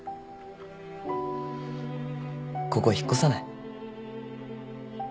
ここ引っ越さない？